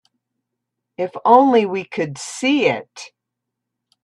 If only we could see it.